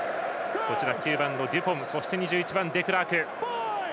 ９番のデュポンそして２１番、デクラーク。